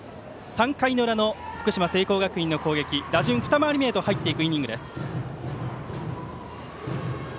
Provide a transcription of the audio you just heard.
３回の裏の福島・聖光学院の攻撃は打順ふた回り目へと入っていくイニングです。